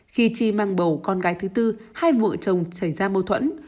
khi chi mang bầu con gái thứ tư hai vợ chồng xảy ra mâu thuẫn